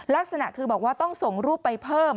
ลักษณะคือบอกว่าต้องส่งรูปไปเพิ่ม